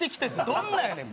どんなんやねん？